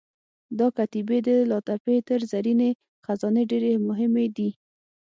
دا کتیبې د طلاتپې تر زرینې خزانې ډېرې مهمې دي.